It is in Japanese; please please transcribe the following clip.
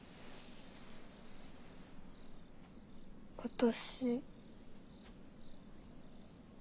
私。